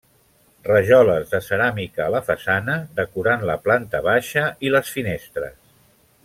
Rajoles de ceràmica a la façana, decorant la planta baixa i les finestres.